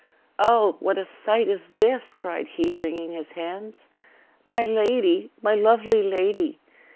"O what a sight is this!" cried he, wringing his hands. "My lady! my lovely lady!